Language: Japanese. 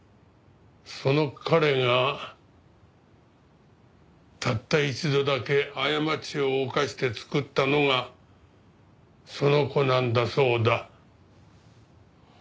その彼がたった一度だけ過ちを犯してつくったのがその子なんだそうだ。